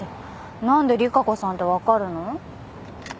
何で利佳子さんって分かるの？